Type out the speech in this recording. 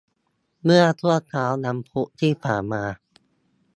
เมื่อช่วงเช้าวันพุธที่ผ่านมา